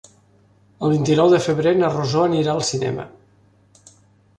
El vint-i-nou de febrer na Rosó anirà al cinema.